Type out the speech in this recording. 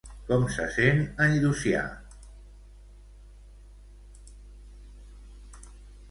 Com se sent en Llucià?